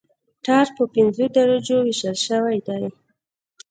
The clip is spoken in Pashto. ټار په پنځو درجو ویشل شوی دی